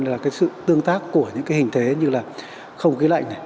là cái sự tương tác của những cái hình thế như là không khí lạnh này